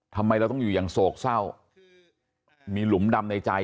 ทำไมเราต้องอยู่อย่างโศกเศร้ามีหลุมดำในใจ